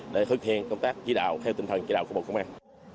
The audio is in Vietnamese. để thực hiện công tác chỉ đạo theo tinh thần chỉ đạo của bộ công an